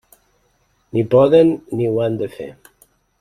Ni poden ni ho han de fer.